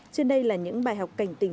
trên đây là những bài học cảnh tình